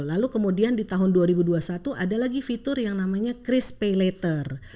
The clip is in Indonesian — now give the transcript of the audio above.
lalu kemudian di tahun dua ribu dua puluh satu ada lagi fitur yang namanya cris pay later